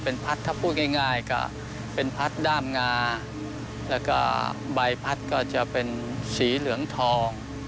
เป็นพัฒน์ดามงาและก็ใบภัศน์ก็จะเป็นสีเหลืองทอง